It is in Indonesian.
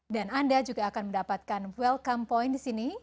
dan anda juga akan mendapatkan welcome point di sini